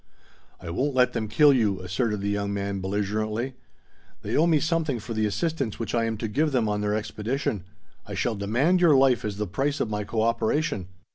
"I won't let them kill you!" asserted the young man belligerently. "They owe me something for the assistance which I am to give them on their expedition. I shall demand your life as the price of my cooperation.